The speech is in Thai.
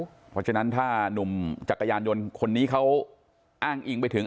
เพราะฉะนั้นถ้านุ่มจักรยานยนต์คนนี้เขาอ้างอิงไปถึง